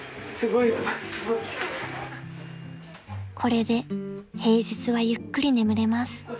［これで平日はゆっくり眠れます］